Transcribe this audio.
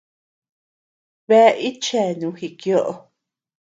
Bea itcheanu jikioʼö.